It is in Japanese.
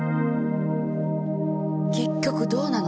結局どうなの？